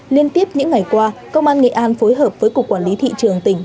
liên tiếp những ngày qua công an nghệ an phối hợp với cục quản lý thị trường tỉnh